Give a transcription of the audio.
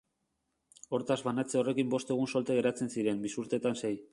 Hortaz, banatze horrekin bost egun solte geratzen ziren, bisurteetan sei.